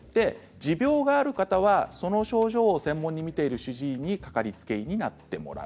持病がある方はその症状を専門に診ている主治医にかかりつけ医になってもらう。